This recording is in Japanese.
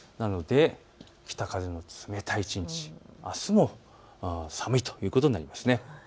北風の冷たい一日、あすも寒いということです。